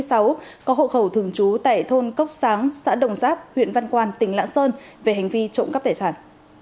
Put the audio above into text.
có hộ khẩu thường trú tại thôn cốc sáng xã đồng giáp huyện văn quan tỉnh lạng sơn về hành vi trộm cắp tài sản